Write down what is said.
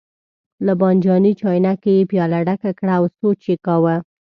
له بانجاني چاینکې یې پیاله ډکه کړه او سوچ یې کاوه.